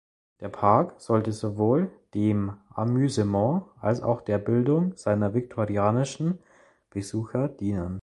Der Park sollte sowohl dem Amüsement als auch der Bildung seiner viktorianischen Besucher dienen.